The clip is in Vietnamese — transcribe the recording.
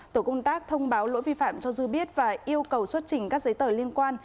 tổ công tác thông báo lỗi vi phạm cho dư biết và yêu cầu xuất trình các giấy tờ liên quan